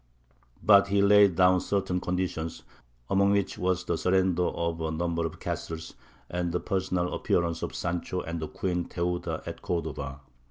But he laid down certain conditions, among which was the surrender of a number of castles, and the personal appearance of Sancho and the Queen Theuda at Cordova.